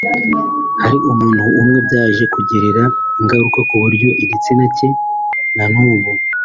Hari umuntu umwe byaje kugirira ingaruka kuburyo igitsina cye na n’ubu